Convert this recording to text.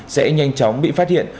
sẽ nhanh chóng bị phát hiện